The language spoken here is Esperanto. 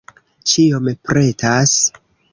Ĉiom pretas.